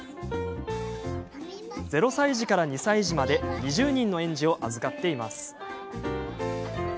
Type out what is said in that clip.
０歳児から２歳児まで２０人の園児を預かっています。